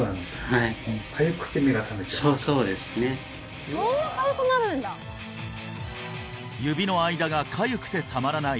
はいそんなかゆくなるんだ指の間がかゆくてたまらない